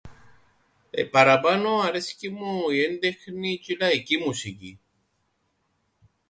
Ε... παραπάνω αρέσκει μου η έντεχνη τζ̆' η λαϊκή μουσική.